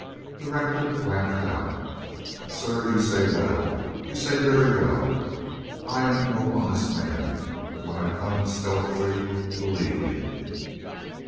The rector laughed out : "Sir, you say well. You say very well. I am no honest man. But when I come stealthy believe me.